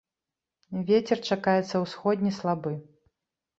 Вецер чакаецца ўсходні слабы.